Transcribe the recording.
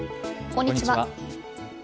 こんにちは。